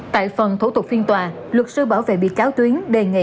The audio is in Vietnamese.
tại phần thủ tục phiên tòa luật sư bảo vệ bị cáo tuyến đề nghị